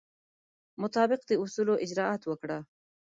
مطابق د اصولو اجرات وکړه.